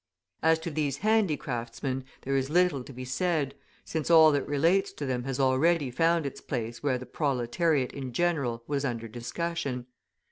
As to these handicraftsmen there is little to be said, since all that relates to them has already found its place where the proletariat in general was under discussion.